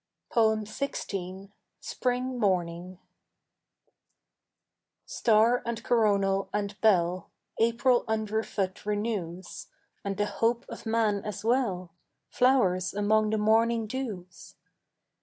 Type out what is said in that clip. XVI. SPRING MORNING Star and coronal and bell April underfoot renews, And the hope of man as well Flowers among the morning dews.